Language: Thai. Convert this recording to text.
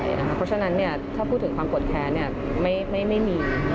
เพราะฉะนั้นถ้าพูดถึงความโกรธแค้นไม่มี